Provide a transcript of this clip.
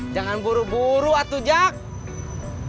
jangan buru buru atu jack